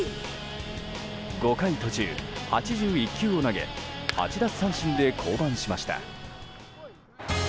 ５回途中８１球を投げ８奪三振で降板しました。